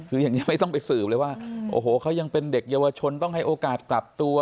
คืออย่างนี้ไม่ต้องไปสืบเลยว่าโอ้โหเขายังเป็นเด็กเยาวชนต้องให้โอกาสกลับตัว